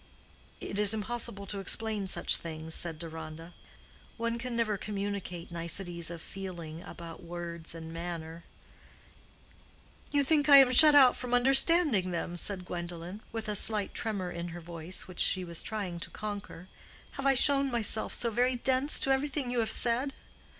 "It is impossible to explain such things," said Deronda. "One can never communicate niceties of feeling about words and manner." "You think I am shut out from understanding them," said Gwendolen, with a slight tremor in her voice, which she was trying to conquer. "Have I shown myself so very dense to everything you have said?"